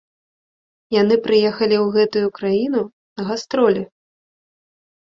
Яны прыехалі ў гэтую краіну на гастролі.